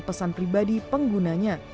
pesan pribadi penggunanya